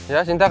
ya sinta kenapa